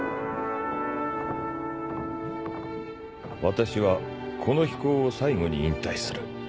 私はこの飛行を最後に引退する。